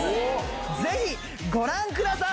ぜひご覧ください。